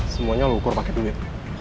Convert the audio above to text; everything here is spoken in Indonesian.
semuanya lo ukur pake duit